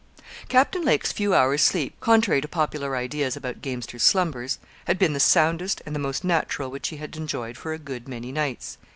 Captain Lake's few hours' sleep, contrary to popular ideas about gamesters' slumbers, had been the soundest and the most natural which he had enjoyed for a good many nights.